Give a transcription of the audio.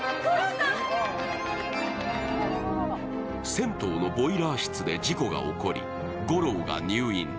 銭湯のボイラー室で事故が起こり、悟朗が入院。